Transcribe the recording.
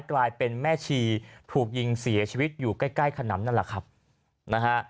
กลายเป็นแม่ชีถูกยิงเสียชีวิตอยู่ใกล้ใกล้ขนำนั่นแหละครับนะฮะ